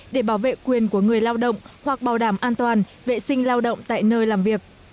để bảo vệ quyền của người lao động hoặc bảo đảm an toàn vệ sinh lao động tại nơi làm việc